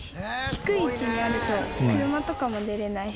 低い位置にあると車とかも出られないし。